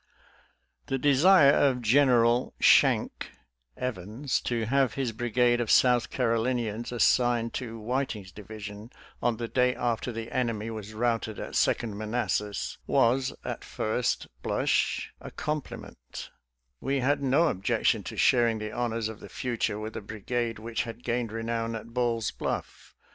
The desire of General " Shank " Evans to have his brigade of South Carolinians assigned to Whiting's division, on the day after the enemy was routed at Second Manassas, was, at first blush, a compliment; we had no objection to sharing the honors of the future with a brigade which had gained renown at Ball's Bluff.